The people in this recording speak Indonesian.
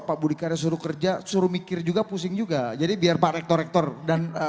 pak budi karya suruh kerja suruh mikir juga pusing juga jadi biar pak rektor rektor dan